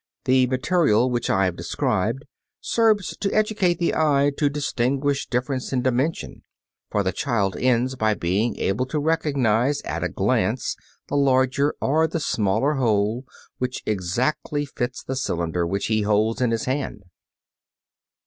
The material which I have described serves to educate the eye to distinguish difference in dimension, for the child ends by being able to recognize at a glance the larger or the smaller hole which exactly fits the cylinder which he holds in his hand.